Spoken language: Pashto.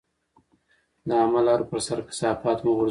د عامه لارو پر سر کثافات مه غورځوئ.